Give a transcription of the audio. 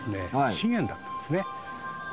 資源だったんですね。